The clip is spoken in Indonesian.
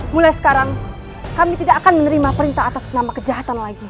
mulai sekarang kami tidak akan menerima perintah atas nama kejahatan lagi